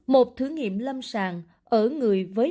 các thử nghiệm lâm sàng trước khi được phê duyệt